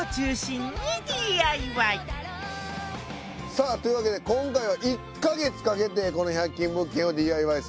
さあというわけで今回は１ヵ月かけてこの１００均物件をＤＩＹするという事でございます。